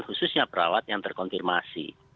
khususnya perawat yang terkonfirmasi